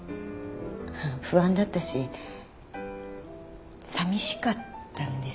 不安だったしさみしかったんですよね。